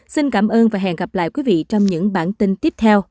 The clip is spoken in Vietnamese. xin cảm ơn và hẹn gặp lại quý vị trong những bản tin tiếp theo xin chào